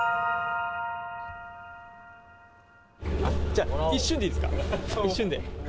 じゃあ、一瞬でいいですか、一瞬で。